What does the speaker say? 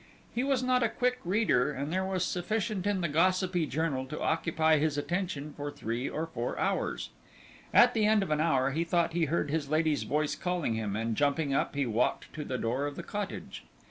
He was not a quick reader, and there was sufficient in the gossipy journal to occupy his attention for three or four hours. At the end of an hour he thought he heard his lady's voice calling him, and jumping up, he walked to the door of the cottage.